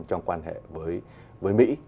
trong quan hệ với mỹ